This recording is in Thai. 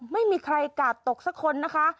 ไม่มีใครกาดตกสักคนนะคะ